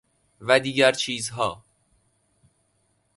و دیگرچیزها